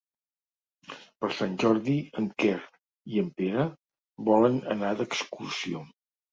Per Sant Jordi en Quer i en Pere volen anar d'excursió.